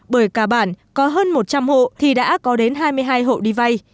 bởi cả bản có hơn một trăm linh hộ thì đã có đến hai mươi hai hộ đi vay